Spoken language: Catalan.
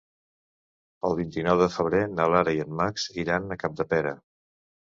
El vint-i-nou de febrer na Lara i en Max iran a Capdepera.